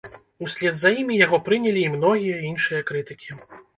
Услед за імі яго прынялі і многія іншыя крытыкі.